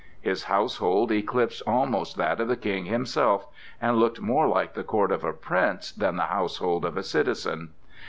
His household eclipsed almost that of the King himself, and looked more like the court of a prince than the household of a citizen.